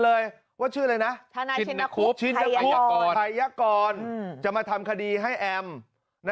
เลยว่าชื่ออะไรนะทนายชินคุบไทยยากรจะมาทำคดีให้แอมนะ